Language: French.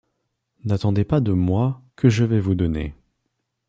N'attendez pas de moi que je vais vous donner